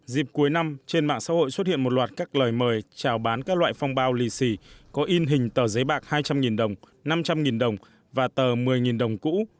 dịp cuối năm trên mạng xã hội xuất hiện một loạt các lời mời trào bán các loại phong bao lì xì có in hình tờ giấy bạc hai trăm linh đồng năm trăm linh đồng và tờ một mươi đồng cũ